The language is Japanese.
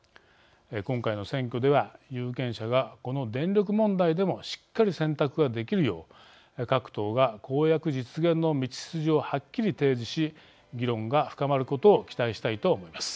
今回の選挙では有権者が、この電力問題でもしっかり選択ができるよう各党が公約実現の道筋をはっきり提示し議論が深まることを期待したいと思います。